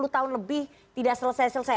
dua puluh tahun lebih tidak selesai selesai